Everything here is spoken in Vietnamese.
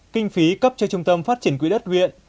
kinh phí cấp cho trung tâm phát triển quỹ đất huyện